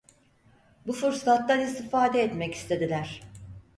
Bu fırsattan istifade etmek istediler.